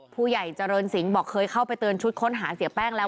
ผู้ใหญ่เจริญสิงห์บอกเคยเข้าไปเตือนชุดค้นหาเสียแป้งแล้ว